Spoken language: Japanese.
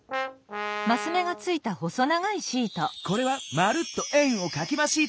これは「まるっと円をかきまシート」！